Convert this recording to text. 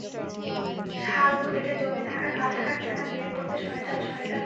শালদুধ শিশুর পেটে জমে থাকা কালো পায়খানা বের করতে সহায়তা করে।